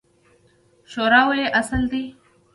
شورا ولې اصل دی؟